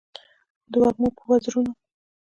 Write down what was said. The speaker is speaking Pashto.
د وږمو په وزرونو